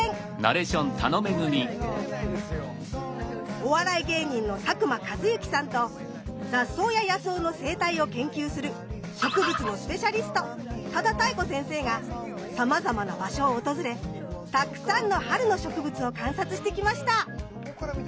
お笑い芸人の佐久間一行さんと雑草や野草の生態を研究する植物のスペシャリスト多田多恵子先生がさまざまな場所を訪れたくさんの春の植物を観察してきました。